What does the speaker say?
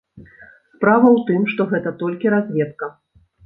Справа ў тым, што гэта толькі разведка.